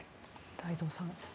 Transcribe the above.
太蔵さん。